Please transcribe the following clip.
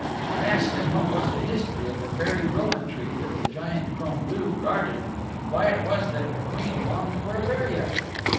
I asked him what was the history of the Fairy Rowan Tree that the Giant Crom Duv guarded and why it was that the Queen longed for a berry of it.